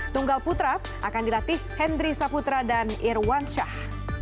tunggal putra akan dilatih hendri saputra dan irwan syah